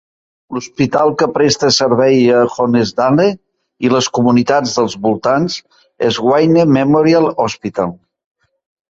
L'hospital que presta servei a Honesdale i les comunitats dels voltants és Wayne Memorial Hospital.